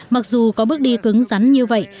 mặc dù có bước đi cứng rắn như vậy